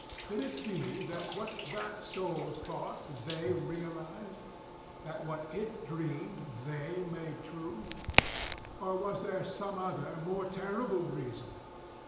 Could it be that what that soul thought, they realized?—that what it dreamed, they made true? Or was there some other, more terrible reason?